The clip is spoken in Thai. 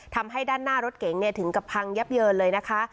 ทำให้ด้านหน้ารถเก๋งถึงกับพังยับเยินเลยนะคะ